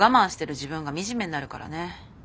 自分が惨めになるからね。